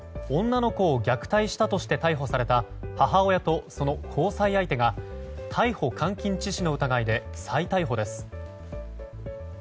女の子を虐待したとして逮捕された母親とその交際相手が逮捕監禁致死の疑いで再逮捕です。